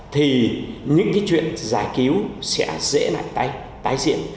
thì những cái chuyện giải cứu sẽ dễ lại tái diện